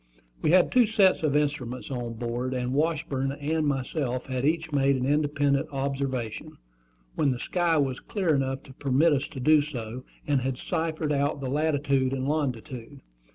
We had two sets of instruments on board; and Washburn and myself had each made an independent observation, when the sky was clear enough to permit us to do so, and had ciphered out the latitude and longitude.